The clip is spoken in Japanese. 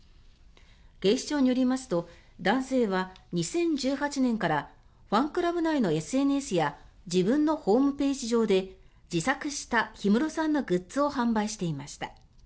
警視庁によりますと男性は２０１８年からファンクラブ内のＳＮＳや自分のホームページ上で自作した氷室さんのグッズを販売していました。